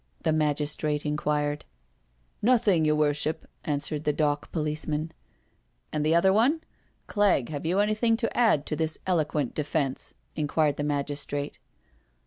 the magistrate inquired. •• Nothing, your worship," answered the dock police man. *^«" And the other one? Clegg, have you anything to add to this eloquent defence?" inquired the magistrate.